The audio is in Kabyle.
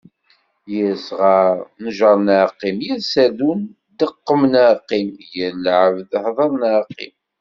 Yir sɣar, njer neɣ qqim. Yir serdun, deqqem neɣ qqim. Yir lɛebd, hder neɣ qqim.